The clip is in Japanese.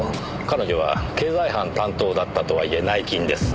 彼女は経済犯担当だったとはいえ内勤です。